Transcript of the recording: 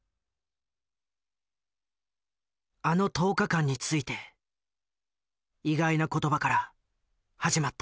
あの１０日間について意外な言葉から始まった。